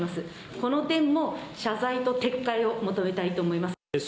この点も謝罪と撤回を求めたいと思います。